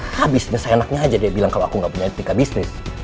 habisnya saya anaknya aja dia bilang kalau aku gak punya etika bisnis